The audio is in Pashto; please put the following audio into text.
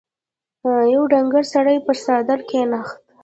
يو ډنګر سړی پر څادر کېناست.